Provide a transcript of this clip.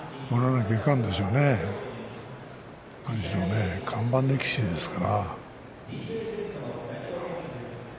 なにしろね、看板力士ですからね。